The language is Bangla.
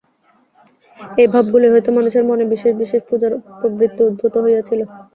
এই ভাবগুলি হইতে মানুষের মনে বিশেষ বিশেষ পূজার প্রবৃত্তি উদ্ভূত হইয়াছিল।